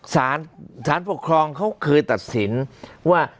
สารปกครองเขาเคยตัดสินว่า